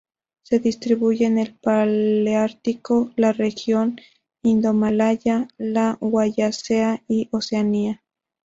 Se distribuyen por el paleártico, la región indomalaya, la Wallacea y Oceanía.